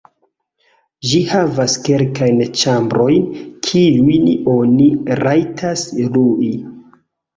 Ĝi havas kelkajn ĉambrojn, kiujn oni rajtas lui.